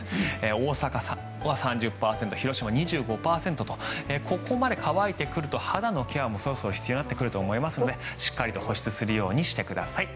大阪は３０％広島は２５％とここまで乾いてくると肌のケアもそろそろ必要になってくると思いますのでしっかりと保湿するようにしてください。